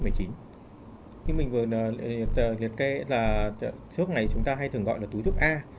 khi mình vừa liệt kê là sốt này chúng ta hay thường gọi là túi thuốc a